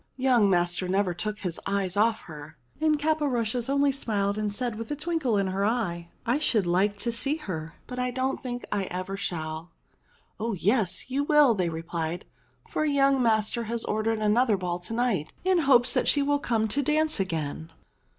Young master never took his eyes off her." And Caporushes only smiled and said with a twinkle in her eye, "I should like to see her, but I don't think I ever shall." CAPORUSHES 303 "Oh yes, you will,'* they repHed, "for young master has ordered another ball to night in hopes she will come to dance again."